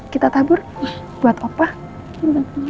kita tabur buat opah